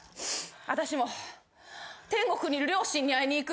あたしも天国にいる両親に会いに行く。